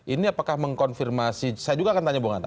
ini apakah mengkonfirmasi saya juga akan tanya bung hanta